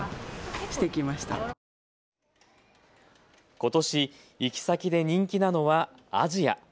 ことし行き先で人気なのはアジア。